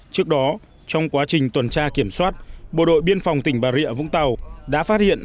trước đó trong quá trình tuần tra kiểm soát bộ đội biên phòng tỉnh bà rịa vũng tàu đã phát hiện